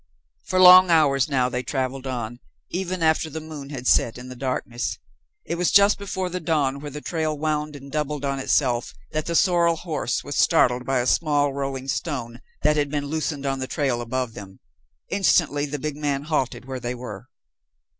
For long hours now they traveled on, even after the moon had set, in the darkness. It was just before the dawn, where the trail wound and doubled on itself, that the sorrel horse was startled by a small rolling stone that had been loosened on the trail above them. Instantly the big man halted where they were.